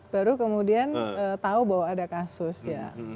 baru kemudian tahu bahwa ada kasus ya